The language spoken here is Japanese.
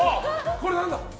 これは何だ？